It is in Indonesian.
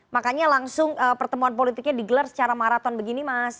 makanya langsung pertemuan politiknya digelar secara maraton begini mas